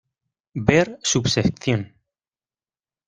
Ver subsección.